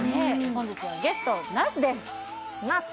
本日はゲストなしですなし！